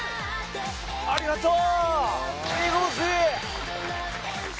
ありがとう！